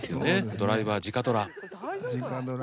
ドライバー直ドラ。